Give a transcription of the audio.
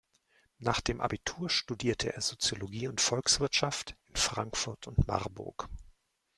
Nach dem Abitur studierte er Soziologie und Volkswirtschaft in Frankfurt und Marburg.